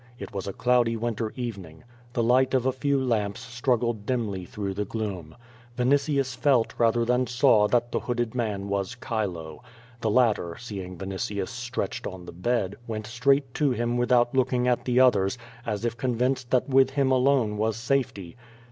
It was a cloudy winter evening. The li^dit of a few lamps struggles! dimly through the gloom. Vinitius felt rather than saw that the hooded man was Chilo. The latter, seeing Vinitius stretched on the bed, went straight to him without looking at the others, as if convinced that with him alone was safety.